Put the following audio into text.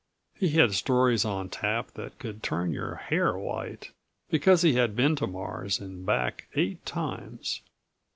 He had stories on tap that could turn your hair white, because he had been to Mars and back eight times.